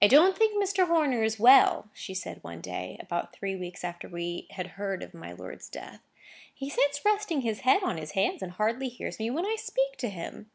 "I don't think Mr. Horner is well," she said one day; about three weeks after we had heard of my lord's death. "He sits resting his head on his hand, and hardly hears me when I speak to him."